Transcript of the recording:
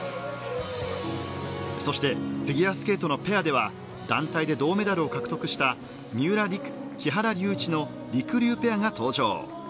そしてフィギュアスケートのペアでは団体で銅メダルを獲得した三浦璃来・木原龍一のりくりゅうペアが登場。